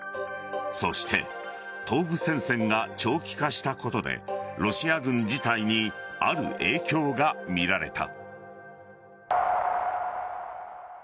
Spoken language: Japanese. そして東部戦線が長期化したことでロシア軍自体にある影響が見られた。